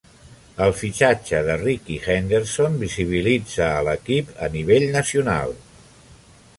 El fitxatge de Rickey Henderson visibilitzà a l'equip a nivell nacional.